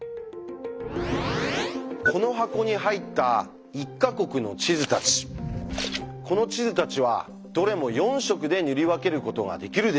この箱に入った１か国の地図たちこの地図たちはどれも４色で塗り分けることができるでしょうか？